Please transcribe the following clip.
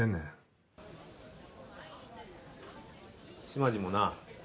島地もな